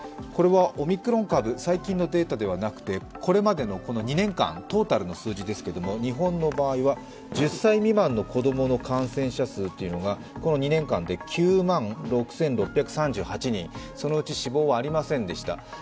これはオミクロン株、最近のデータではなくてこれまでの２年間トータルの数字ですけれども日本の場合は１０歳未満の子供の感染者数というのがこの２年間で９万６６３８人、そのうち死亡はありませんでした。